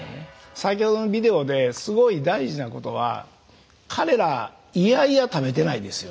先ほどのビデオですごい大事なことは彼ら嫌々食べてないですよね。